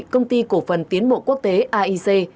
công ty cổ phần tiến bộ quốc tế aic